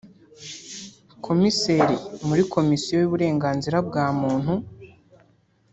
komiseri muri Komisiyo y’Uburenganzira bwa muntu